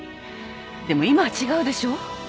でも今は違うでしょ？